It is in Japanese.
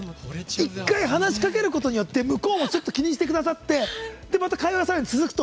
１回話しかけることによって向こうもちょっと気にしてくださって会話がさらに続くと。